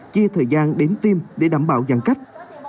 chia thời gian đến tim để đảm bảo giãn cách